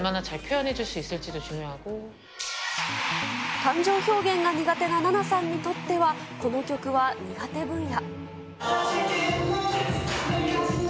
感情表現が苦手なナナさんにとっては、この曲は苦手分野。